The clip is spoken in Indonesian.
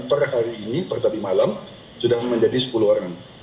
per hari ini per tadi malam sudah menjadi sepuluh orang